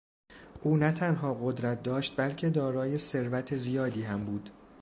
او نه تنها قدرت داشت بلکه دارای ثروت زیادی هم بود.